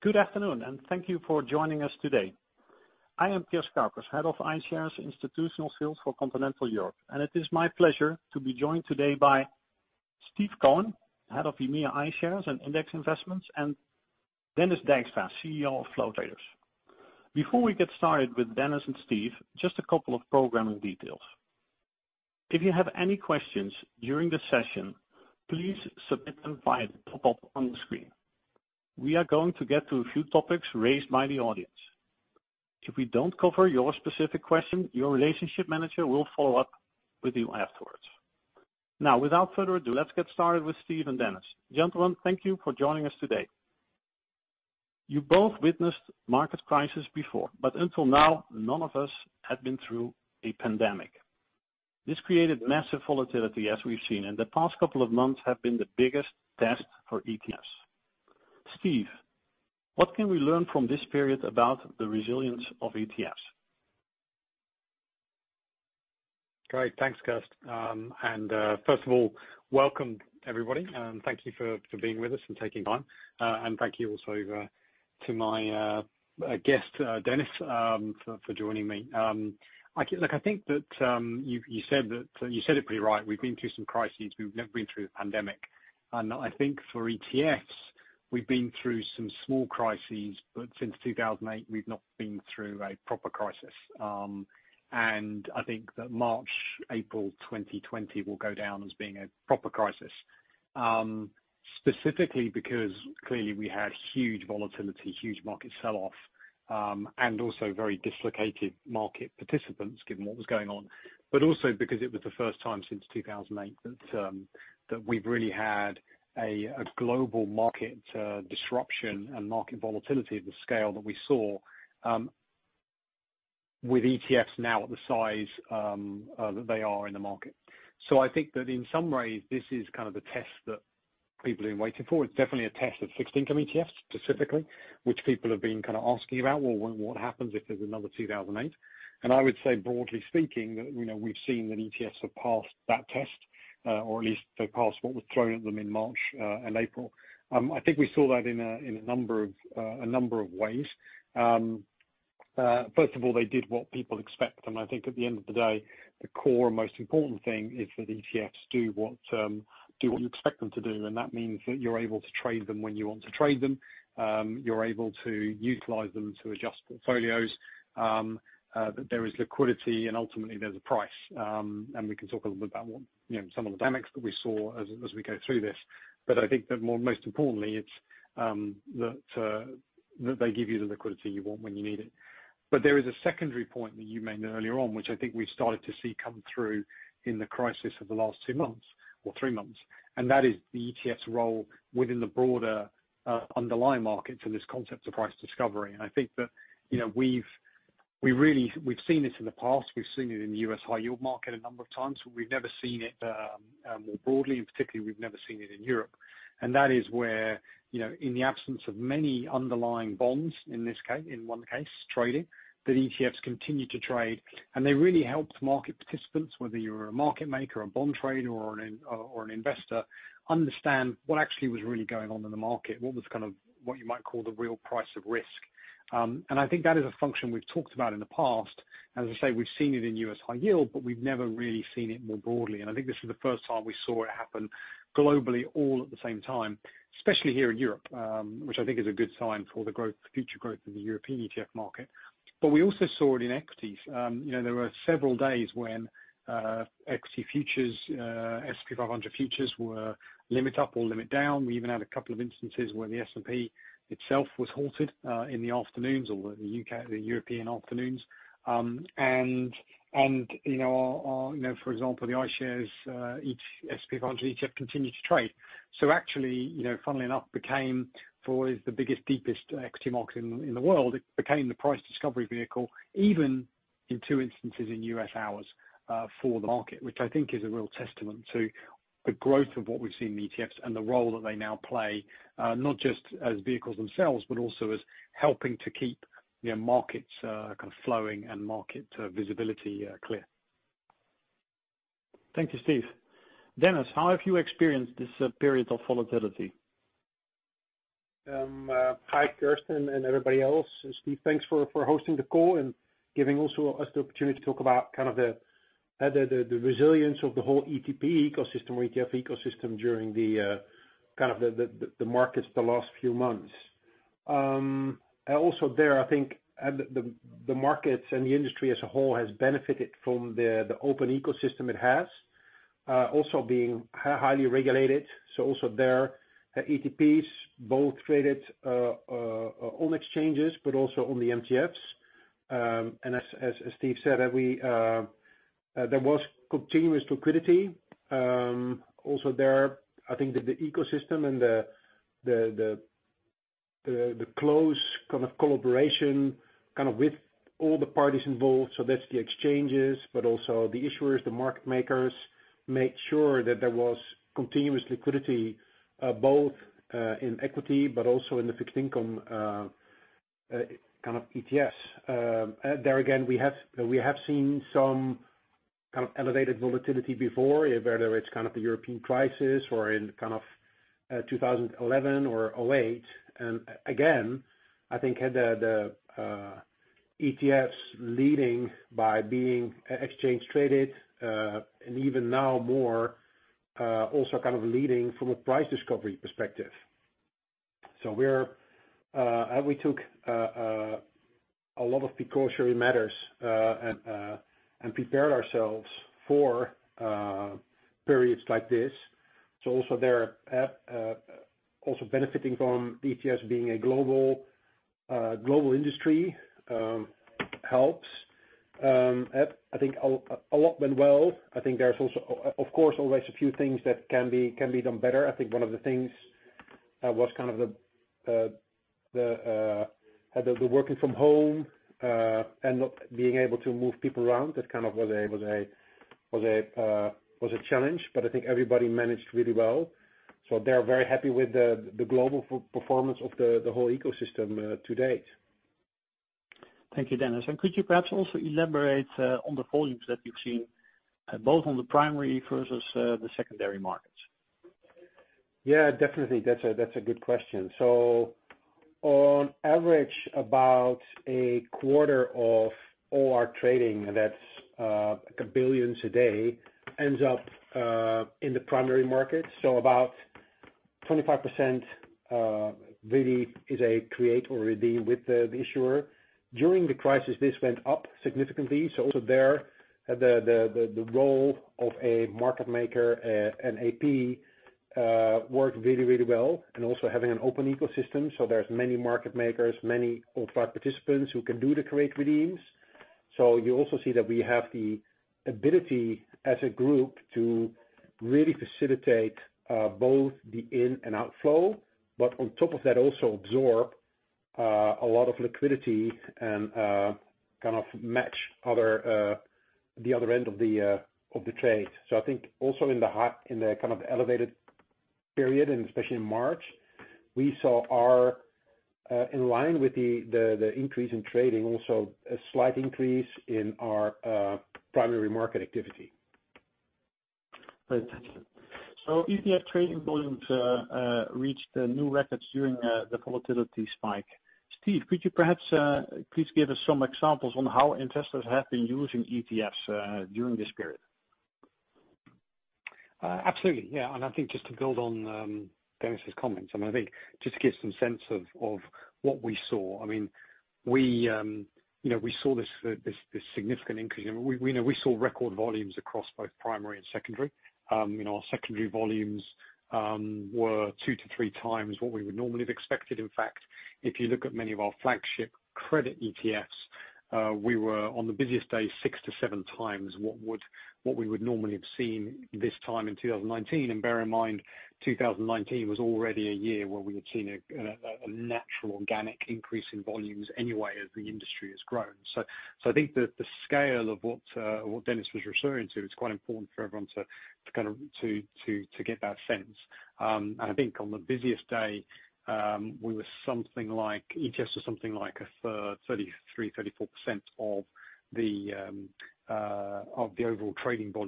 Good afternoon, thank you for joining us today. I am Piers Koukas, Head of iShares Institutional Sales for Continental Europe, and it is my pleasure to be joined today by Steve Cohen, Head of EMEA iShares and Index Investments, and Dennis Dijkstra, CEO of Flow Traders. Before we get started with Dennis and Steve, just a couple of programming details. If you have any questions during the session, please submit them via the pop-up on the screen. We are going to get to a few topics raised by the audience. If we don't cover your specific question, your relationship manager will follow up with you afterwards. Without further ado, let's get started with Steve and Dennis. Gentlemen, thank you for joining us today. You both witnessed market crisis before, but until now, none of us had been through a pandemic. This created massive volatility, as we've seen, and the past couple of months have been the biggest test for ETFs. Steve, what can we learn from this period about the resilience of ETFs? Great. Thanks, Piers. First of all, welcome everybody, and thank you for being with us and taking time. Thank you also to my guest, Dennis, for joining me. Look, I think that you said it pretty right. We've been through some crises. We've never been through a pandemic. I think for ETFs, we've been through some small crises, but since 2008, we've not been through a proper crisis. I think that March, April 2020 will go down as being a proper crisis. Specifically because clearly we had huge volatility, huge market sell-off, and also very dislocated market participants, given what was going on. Also because it was the first time since 2008 that we've really had a global market disruption and market volatility of the scale that we saw, with ETFs now at the size that they are in the market. I think that in some ways, this is kind of the test that people have been waiting for. It's definitely a test of fixed income ETFs specifically, which people have been kind of asking about, "Well, what happens if there's another 2008?" I would say, broadly speaking, that we've seen that ETFs have passed that test, or at least they've passed what was thrown at them in March and April. I think we saw that in a number of ways. First of all, they did what people expect, and I think at the end of the day, the core most important thing is that ETFs do what you expect them to do, and that means that you're able to trade them when you want to trade them. You're able to utilize them to adjust portfolios, that there is liquidity, and ultimately there's a price. We can talk a little bit about some of the dynamics that we saw as we go through this. I think that most importantly it's that they give you the liquidity you want when you need it. There is a secondary point that you made earlier on, which I think we've started to see come through in the crisis of the last two months or three months, and that is the ETFs role within the broader underlying market for this concept of price discovery. I think that we've seen this in the past, we've seen it in the U.S. high yield market a number of times, but we've never seen it more broadly, and particularly, we've never seen it in Europe. That is where, in the absence of many underlying bonds, in one case, trading, that ETFs continued to trade. They really helped market participants, whether you're a market maker, a bond trader, or an investor, understand what actually was really going on in the market, what was what you might call the real price of risk. I think that is a function we've talked about in the past. As I say, we've seen it in U.S. high yield, but we've never really seen it more broadly. I think this is the first time we saw it happen globally all at the same time, especially here in Europe, which I think is a good sign for the future growth of the European ETF market. We also saw it in equities. There were several days when equity futures, S&P 500 futures were limit up or limit down. We even had a couple of instances where the S&P itself was halted in the afternoons or the European afternoons. For example, the iShares, each S&P 500 ETF continued to trade. Actually, funnily enough, became for the biggest, deepest equity market in the world, it became the price discovery vehicle, even in two instances in U.S. hours, for the market, which I think is a real testament to the growth of what we've seen in ETFs and the role that they now play, not just as vehicles themselves, but also as helping to keep markets flowing and market visibility clear. Thank you, Steve. Dennis, how have you experienced this period of volatility? Hi, Kirsten and everybody else. Steve, thanks for hosting the call and giving also us the opportunity to talk about the resilience of the whole ETP ecosystem or ETF ecosystem during the markets the last few months. Also there, I think the markets and the industry as a whole has benefited from the open ecosystem it has. Also being highly regulated, so also there, ETPs both traded on exchanges but also on the MTFs. As Steve said, there was continuous liquidity. Also there, I think that the ecosystem and the close collaboration with all the parties involved, so that's the exchanges, but also the issuers, the market makers, made sure that there was continuous liquidity, both in equity but also in the fixed income ETFs. There again, we have seen some kind of elevated volatility before, whether it's kind of the European crisis or in 2011 or 2008. Again, I think had the ETFs leading by being exchange traded, and even now more also kind of leading from a price discovery perspective. We took a lot of precautionary measures and prepared ourselves for periods like this. Also there, also benefiting from ETFs being a global industry helps. I think a lot went well. I think there's also, of course, always a few things that can be done better. I think one of the things was kind of the working from home, and not being able to move people around, that kind of was a challenge, but I think everybody managed really well. They're very happy with the global performance of the whole ecosystem to date. Thank you, Dennis. Could you perhaps also elaborate on the volumes that you've seen, both on the primary versus the secondary markets? Yeah, definitely. That's a good question. On average, about a quarter of all our trading, that's like $1 billion today, ends up in the primary market. About 25% really is a create or redeem with the issuer. During the crisis, this went up significantly, also there, the role of a market maker, an AP, worked really well and also having an open ecosystem. There's many market makers, many participants who can do the create redeems. You also see that we have the ability as a group to really facilitate both the in and outflow, but on top of that, also absorb a lot of liquidity and kind of match the other end of the trade. I think also in the kind of elevated period, and especially in March, we saw are in line with the increase in trading, also a slight increase in our primary market activity. ETF trading volumes reached new records during the volatility spike. Steve, could you perhaps please give us some examples on how investors have been using ETFs during this period? Absolutely. Yeah. I think just to build on Dennis's comments, I think just to give some sense of what we saw. We saw this significant increase, and we saw record volumes across both primary and secondary. Our secondary volumes were two to three times what we would normally have expected. In fact, if you look at many of our flagship credit ETFs, we were on the busiest day, six to seven times what we would normally have seen this time in 2019. Bear in mind, 2019 was already a year where we had seen a natural organic increase in volumes, anyway, as the industry has grown. I think the scale of what Dennis was referring to, it's quite important for everyone to get that sense. I think on the busiest day, we were something like, ETFs are something like 33%, 34% of the overall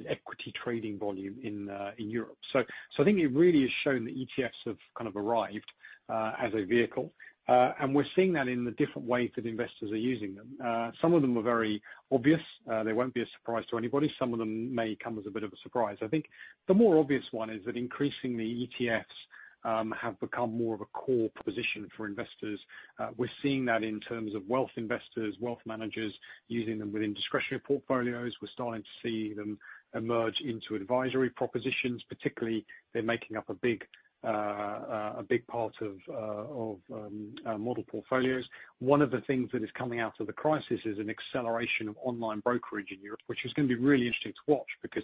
equity trading volume in Europe. I think it really has shown that ETFs have kind of arrived as a vehicle. We're seeing that in the different ways that investors are using them. Some of them are very obvious. They won't be a surprise to anybody. Some of them may come as a bit of a surprise. I think the more obvious one is that increasingly, ETFs have become more of a core position for investors. We're seeing that in terms of wealth investors, wealth managers using them within discretionary portfolios. We're starting to see them emerge into advisory propositions, particularly they're making up a big part of model portfolios. One of the things that is coming out of the crisis is an acceleration of online brokerage in Europe, which is going to be really interesting to watch because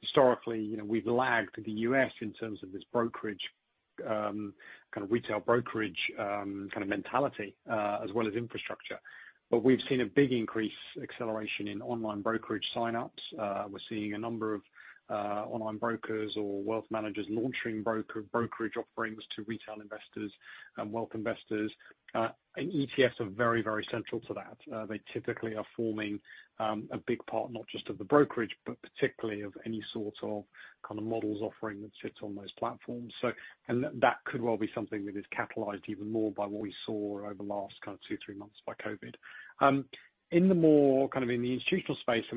historically, we've lagged the U.S. in terms of this brokerage, kind of retail brokerage kind of mentality, as well as infrastructure. We've seen a big increase acceleration in online brokerage sign-ups. We're seeing a number of online brokers or wealth managers launching brokerage offerings to retail investors and wealth investors. ETFs are very central to that. They typically are forming a big part, not just of the brokerage, but particularly of any sort of kind of models offering that sits on those platforms. That could well be something that is catalyzed even more by what we saw over the last two, three months by COVID. In the more kind of in the institutional space, I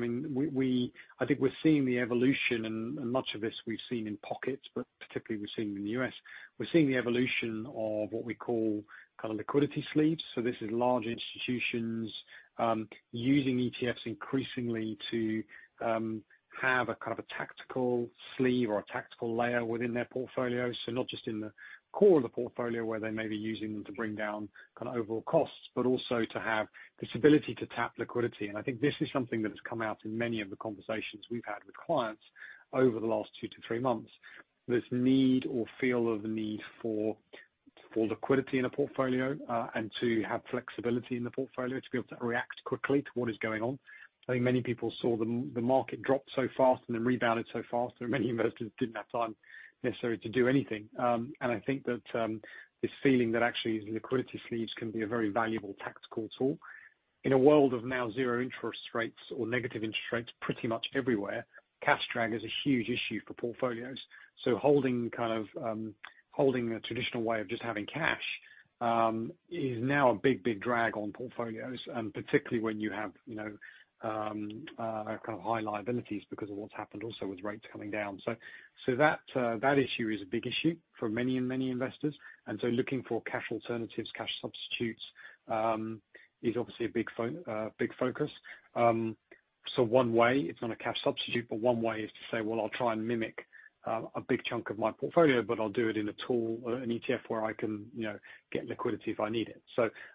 think we're seeing the evolution and much of this we've seen in pockets, but particularly we've seen in the U.S., we're seeing the evolution of what we call kind of liquidity sleeves. This is large institutions, using ETFs increasingly to have a kind of a tactical sleeve or a tactical layer within their portfolio. Not just in the core of the portfolio where they may be using them to bring down kind of overall costs, but also to have this ability to tap liquidity and I think this is something that has come out in many of the conversations we've had with clients over the last two to three months, this need or feel of the need for full liquidity in a portfolio, and to have flexibility in the portfolio to be able to react quickly to what is going on. I think many people saw the market drop so fast and then rebounded so fast that many investors didn't have time necessarily to do anything. I think that this feeling that actually liquidity sleeves can be a very valuable tactical tool. In a world of now zero interest rates or negative interest rates pretty much everywhere, cash drag is a huge issue for portfolios. Holding a traditional way of just having cash, is now a big drag on portfolios, and particularly when you have high liabilities because of what's happened also with rates coming down. That issue is a big issue for many investors. Looking for cash alternatives, cash substitutes, is obviously a big focus. One way, it's not a cash substitute, but one way is to say, well, I'll try and mimic a big chunk of my portfolio, but I'll do it in a tool or an ETF where I can get liquidity if I need it.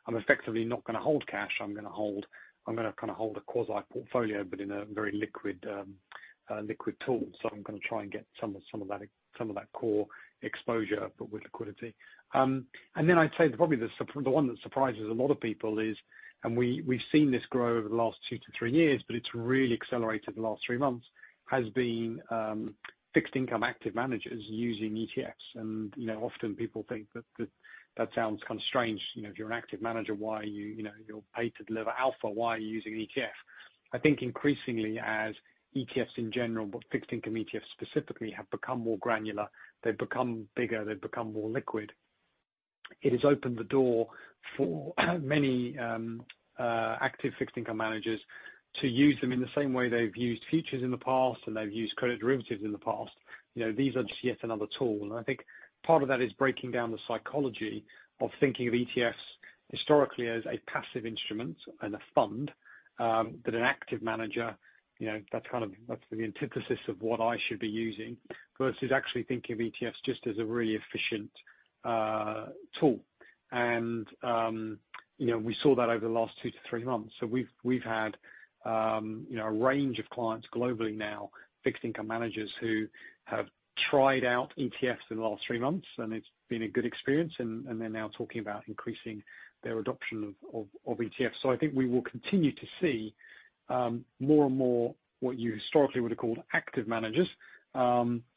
I'm effectively not going to hold cash. I'm going to hold a quasi-portfolio, but in a very liquid tool. I'm going to try and get some of that core exposure, but with liquidity. Then I'd say probably the one that surprises a lot of people is, and we've seen this grow over the last two to three years, but it's really accelerated in the last three months, has been fixed income active managers using ETFs. Often people think that that sounds kind of strange. If you're an active manager, you're paid to deliver alpha, y are you using an ETF? I think increasingly as ETFs in general, but fixed income ETFs specifically, have become more granular. They've become bigger. They've become more liquid. It has opened the door for many active fixed income managers to use them in the same way they've used futures in the past and they've used credit derivatives in the past. These are just yet another tool. I think part of that is breaking down the psychology of thinking of ETFs historically as a passive instrument and a fund, that an active manager, that's the antithesis of what I should be using versus actually thinking of ETFs just as a really efficient tool. And we saw that over the last two to three months. We've had a range of clients globally now, fixed income managers who have tried out ETFs in the last three months. It's been a good experience and they're now talking about increasing their adoption of ETFs. I think we will continue to see more and more what you historically would have called active managers using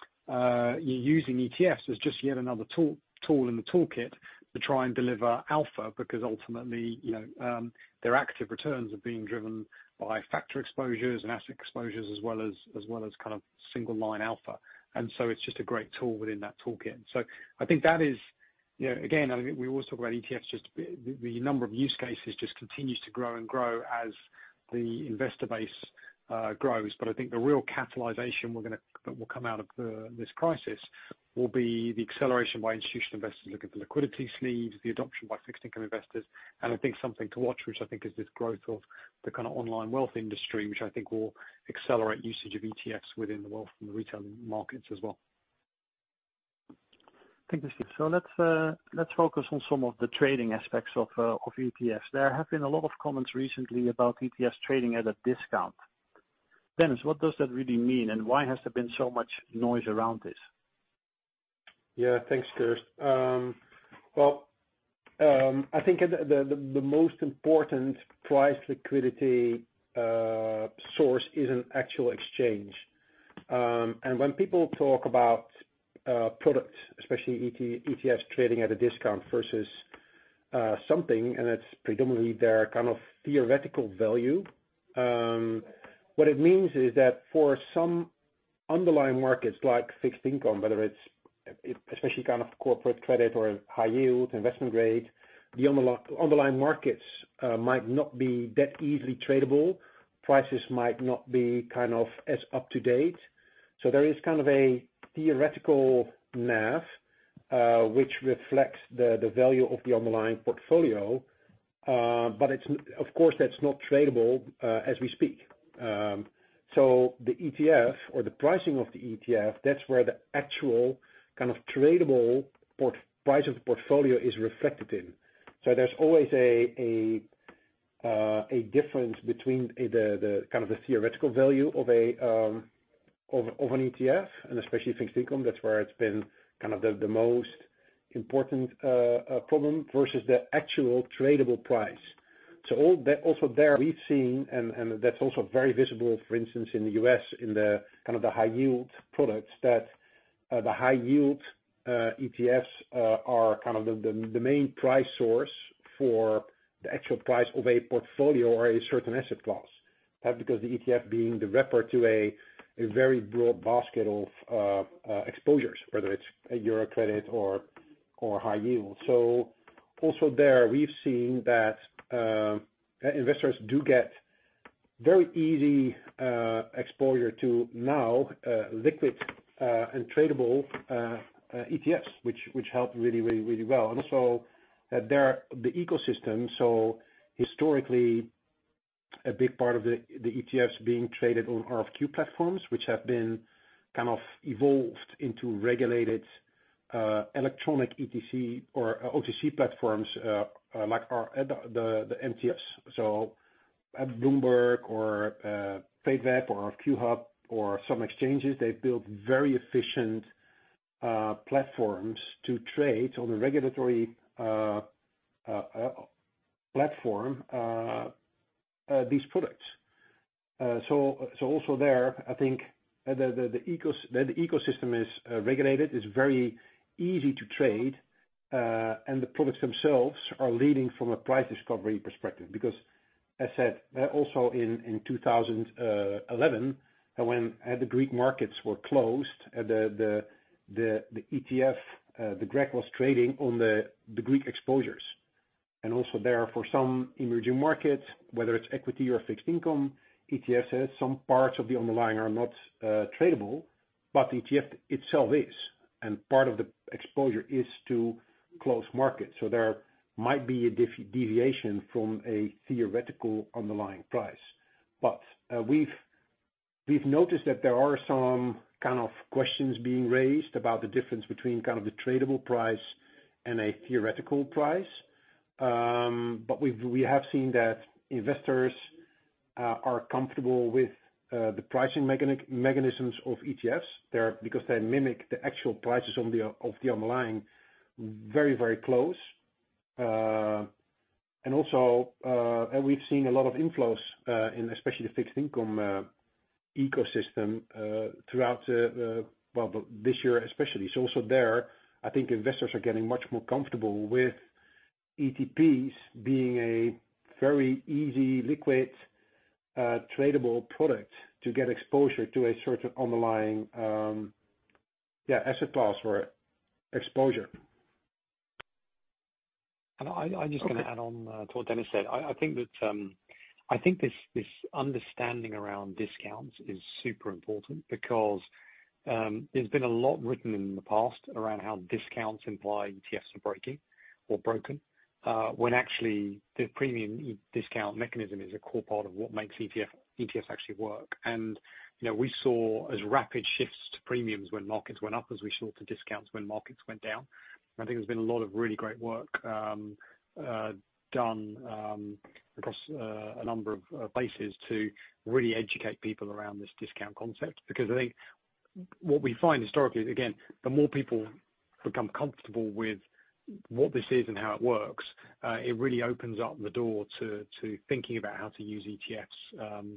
ETFs as just yet another tool in the toolkit to try and deliver alpha because ultimately their active returns are being driven by factor exposures and asset exposures as well as kind of single line alpha. It's just a great tool within that toolkit. I think that is, again, I think we always talk about ETFs, just the number of use cases just continues to grow and grow as the investor base grows. I think the real catalyzation that will come out of this crisis will be the acceleration by institutional investors looking for liquidity sleeves, the adoption by fixed income investors. I think something to watch, which I think is this growth of the kind of online wealth industry, which I think will accelerate usage of ETFs within the wealth and the retail markets as well. Thank you, Steve. Let's focus on some of the trading aspects of ETFs. There have been a lot of comments recently about ETFs trading at a discount. Dennis, what does that really mean, and why has there been so much noise around this? Yeah. Thanks. Well, I think the most important price liquidity source is an actual exchange. When people talk about products, especially ETFs trading at a discount versus something, and it's predominantly their kind of theoretical value, what it means is that for some underlying markets like fixed income, whether it's especially corporate credit or high yield, investment grade, the underlying markets might not be that easily tradable. Prices might not be as up-to-date. There is kind of a theoretical NAV, which reflects the value of the underlying portfolio, but of course, that's not tradable as we speak. The ETF or the pricing of the ETF, that's where the actual kind of tradable price of the portfolio is reflected in. There's always a difference between the theoretical value of an ETF, and especially fixed income, that's where it's been the most important problem versus the actual tradable price. Also there we've seen, and that's also very visible, for instance, in the U.S. in the high-yield products, that the high-yield ETFs are the main price source for the actual price of a portfolio or a certain asset class. That's because the ETF being the repricer to a very broad basket of exposures, whether it's a Euro credit or high yield. Also there, we've seen that investors do get very easy exposure to now liquid and tradable ETFs, which help really well. Also the ecosystem, so historically a big part of the ETFs being traded on RFQ platforms, which have been kind of evolved into regulated electronic ETP or OTC platforms like the MTS. At Bloomberg or Tradeweb or RFQ-hub or some exchanges, they've built very efficient platforms to trade on the regulatory platform these products. Also there, I think that the ecosystem is regulated, is very easy to trade, and the products themselves are leading from a price discovery perspective because as said, also in 2011, when the Greek markets were closed, the ETF, the GREK was trading on the Greek exposures. Also there for some emerging markets, whether it's equity or fixed income, ETFs, some parts of the underlying are not tradable, but the ETF itself is, and part of the exposure is to close markets. There might be a deviation from a theoretical underlying price. We've noticed that there are some kind of questions being raised about the difference between the tradable price and a theoretical price. We have seen that investors are comfortable with the pricing mechanisms of ETFs. They mimic the actual prices of the underlying very close. We've seen a lot of inflows in especially the fixed income ecosystem throughout this year especially. Also there, I think investors are getting much more comfortable with ETPs being a very easy, liquid, tradable product to get exposure to a sort of underlying asset class or exposure. I'm just going to add on to what Dennis said. I think this understanding around discounts is super important because there's been a lot written in the past around how discounts imply ETFs are breaking or broken, when actually the premium discount mechanism is a core part of what makes ETFs actually work. We saw as rapid shifts to premiums when markets went up as we saw to discounts when markets went down. I think there's been a lot of really great work done across a number of places to really educate people around this discount concept, because I think what we find historically is, again, the more people become comfortable with what this is and how it works, it really opens up the door to thinking about how to use ETFs,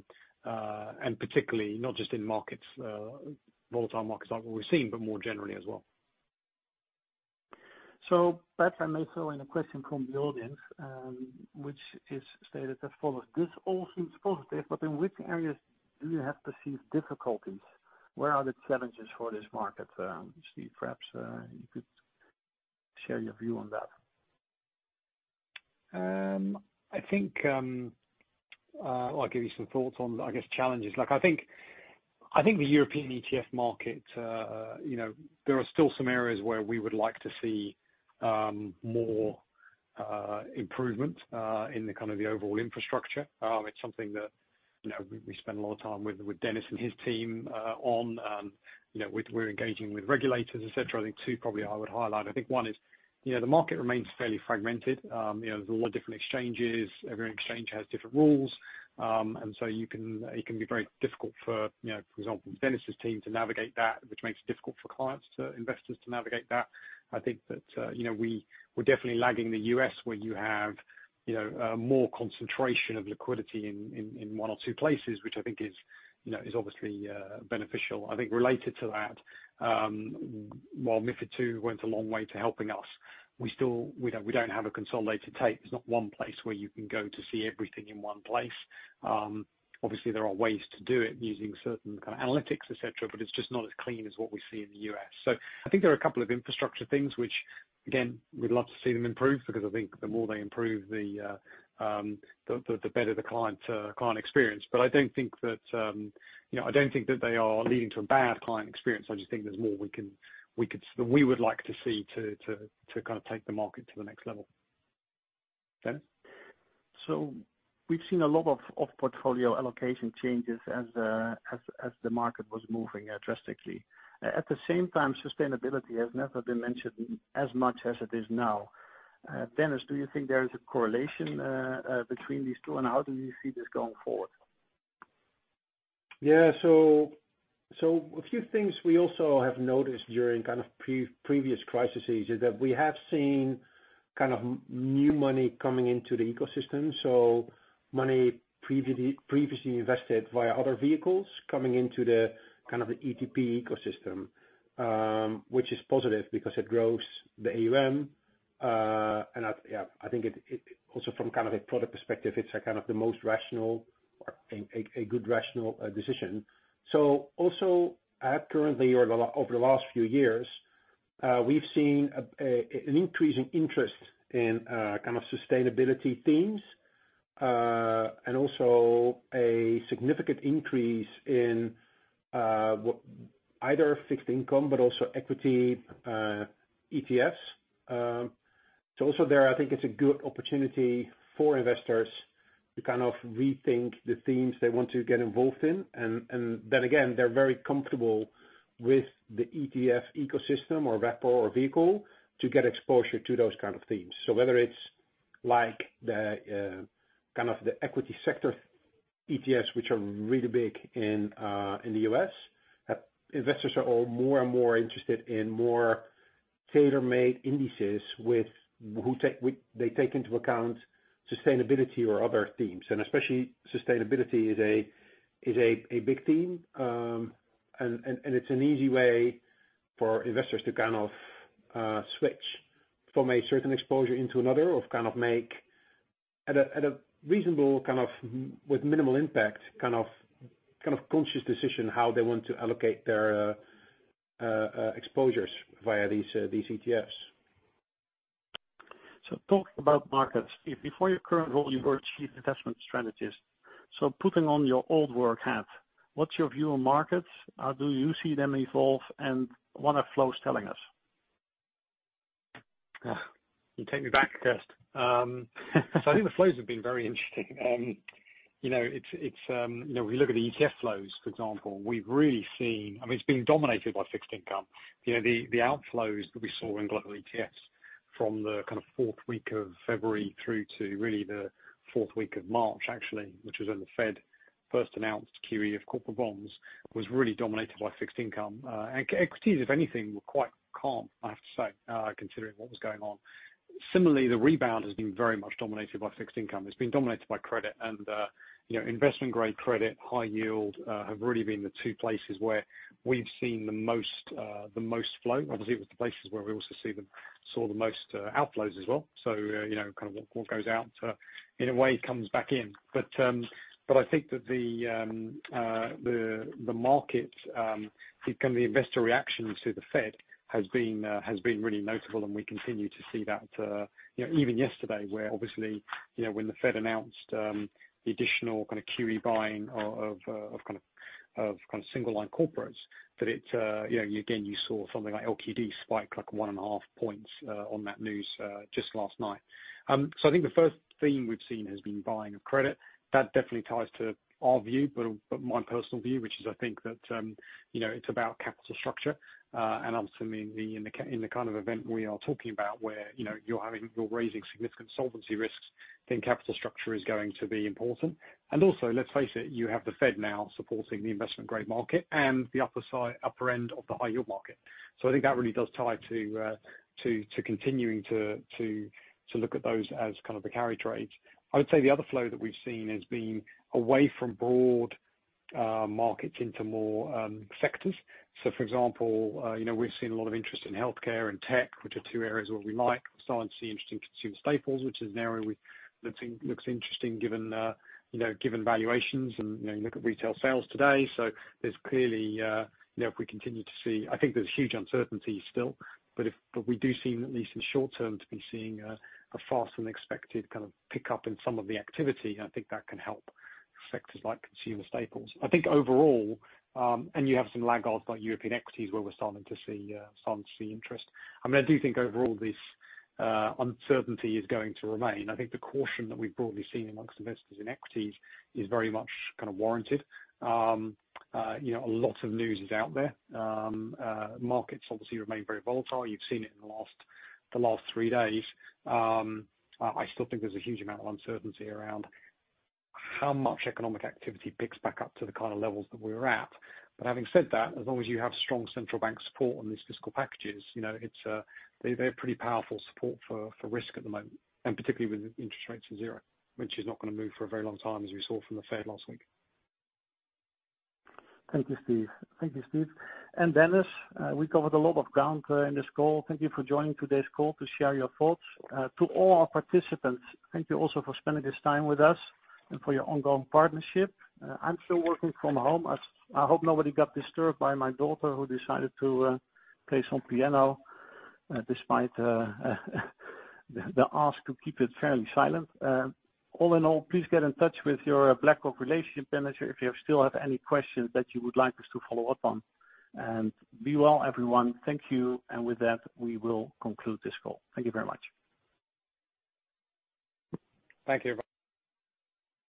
and particularly not just in volatile markets like what we've seen, but more generally as well. Perhaps I may throw in a question from the audience, which is stated as follows: This all seems positive, but in which areas do you have perceived difficulties? Where are the challenges for this market? Steve, perhaps you could share your view on that. I think I'll give you some thoughts on, I guess, challenges. I think the European ETF market, there are still some areas where we would like to see more improvement in the overall infrastructure. It's something that we spend a lot of time with Dennis and his team on. We're engaging with regulators, et cetera. I think two probably I would highlight. I think one is the market remains fairly fragmented. There's a lot of different exchanges. Every exchange has different rules. It can be very difficult for example, Dennis's team to navigate that, which makes it difficult for clients, investors to navigate that. I think that we're definitely lagging the U.S., where you have more concentration of liquidity in one or two places, which I think is obviously beneficial. I think related to that, while MiFID II went a long way to helping us, we don't have a consolidated tape. There's not one place where you can go to see everything in one place. Obviously, there are ways to do it using certain kind of analytics, et cetera, but it's just not as clean as what we see in the U.S. I think there are a couple of infrastructure things which, again, we'd love to see them improve because I think the more they improve, the better the client experience. I don't think that they are leading to a bad client experience. I just think there's more we would like to see to take the market to the next level. Dennis? We've seen a lot of portfolio allocation changes as the market was moving drastically. At the same time, sustainability has never been mentioned as much as it is now. Dennis, do you think there is a correlation between these two, and how do you see this going forward? Yeah. A few things we also have noticed during previous crisis stages, that we have seen new money coming into the ecosystem. Money previously invested via other vehicles coming into the ETP ecosystem, which is positive because it grows the AUM. I think also from a product perspective, it's the most rational or a good rational decision. Also currently or over the last few years, we've seen an increase in interest in sustainability themes, and also a significant increase in either fixed income but also equity ETFs. Also there, I think it's a good opportunity for investors to rethink the themes they want to get involved in. Again, they're very comfortable with the ETF ecosystem or vehicle to get exposure to those kind of themes. Whether it's the equity sector ETFs, which are really big in the U.S., investors are all more and more interested in more tailor-made indices they take into account sustainability or other themes, and especially sustainability is a big theme. It's an easy way for investors to switch from a certain exposure into another or make at a reasonable, with minimal impact, conscious decision how they want to allocate their exposures via these ETFs. Talking about markets, before your current role, you were a chief investment strategist. Putting on your old work hat, what's your view on markets? How do you see them evolve and what are flows telling us? You take me back, Kirst. I think the flows have been very interesting. If we look at the ETF flows, for example, we've really seen it's been dominated by fixed income. The outflows that we saw in global ETFs from the fourth week of February through to really the fourth week of March, actually, which was when the Fed first announced QE of corporate bonds, was really dominated by fixed income. Equities, if anything, were quite calm, I have to say, considering what was going on. Similarly, the rebound has been very much dominated by fixed income. It's been dominated by credit and investment-grade credit, high yield, have really been the two places where we've seen the most flow, obviously, with the places where we also saw the most outflows as well. Kind of what goes out, in a way comes back in. I think that the market, the investor reaction to the Fed has been really notable, and we continue to see that, even yesterday, where obviously, when the Fed announced the additional kind of QE buying of single line corporates, that again, you saw something like LQD spike like 1.5 points on that news just last night. I think the first theme we've seen has been buying of credit. That definitely ties to our view, but my personal view, which is, I think that it's about capital structure. Obviously in the kind of event we are talking about where you're raising significant solvency risks, then capital structure is going to be important. Also, let's face it, you have the Fed now supporting the investment grade market and the upper end of the high yield market. I think that really does tie to continuing to look at those as the carry trades. I would say the other flow that we've seen has been away from broad markets into more sectors. For example, we've seen a lot of interest in healthcare and tech, which are two areas where we might start to see interest in consumer staples, which is an area that looks interesting given valuations and you look at retail sales today. There's clearly, if we continue to see I think there's huge uncertainty still, but we do seem, at least in short term, to be seeing a faster than expected kind of pick up in some of the activity. I think that can help sectors like consumer staples. I think overall, and you have some laggards like European equities where we're starting to see interest. I do think overall this uncertainty is going to remain. I think the caution that we've broadly seen amongst investors in equities is very much kind of warranted. A lot of news is out there. Markets obviously remain very volatile. You've seen it in the last three days. I still think there's a huge amount of uncertainty around how much economic activity picks back up to the kind of levels that we were at. Having said that, as long as you have strong central bank support on these fiscal packages, they're pretty powerful support for risk at the moment, and particularly with interest rates at zero, which is not going to move for a very long time, as we saw from the Fed last week. Thank you, Steve. Dennis, we covered a lot of ground in this call. Thank you for joining today's call to share your thoughts. To all our participants, thank you also for spending this time with us and for your ongoing partnership. I'm still working from home. I hope nobody got disturbed by my daughter who decided to play some piano, despite the ask to keep it fairly silent. All in all, please get in touch with your BlackRock relationship manager if you still have any questions that you would like us to follow up on. Be well, everyone. Thank you. With that, we will conclude this call. Thank you very much. Thank you.